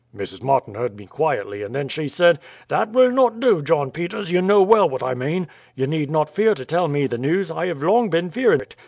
"Mrs. Martin heard me quietly, and then she said: "'That will not do, John Peters; you know well what I mean. You need not fear to tell me the news; I have long been fearing it.